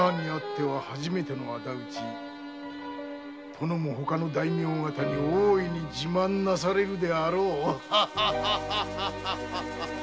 殿もほかの大名方に大いに自慢なされるであろう。